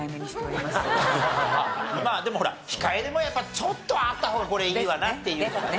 まあでもほら控えてもやっぱちょっとはあった方がこれいいわなっていうかね。